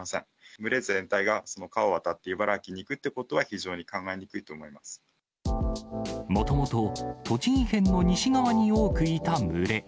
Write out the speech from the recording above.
群れ全体が川を渡って茨城に行くってことは、非常に考えにくいともともと、栃木県の西側に多くいた群れ。